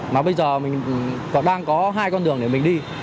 mà bây giờ mình còn đang có hai con đường để mình đi